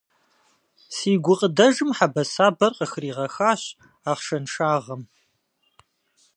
Си гукъыдэжым хьэбэсабэр къыхригъэхащ ахъшэншагъэм.